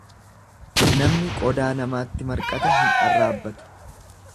Namni qodaa namaatti marqate hin arraabbatu.